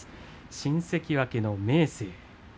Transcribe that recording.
新関脇の明生。